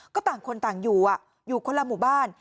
ก็ต่างคนต่างอยู่อยู่คนละหมู่บ้าน